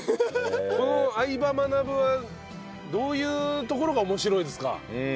この『相葉マナブ』はどういうところが面白いですか？